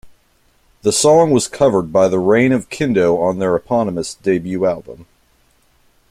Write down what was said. The song was covered by The Reign of Kindo on their eponymous debut album.